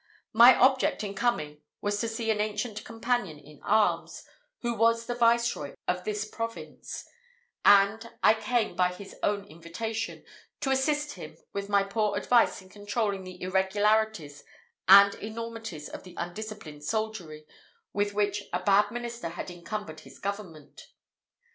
My object in coming was to see an ancient companion in arms, who was the viceroy of this province; and I came by his own invitation, to assist him with my poor advice in controlling the irregularities and enormities of the undisciplined soldiery with which a bad minister had encumbered his government.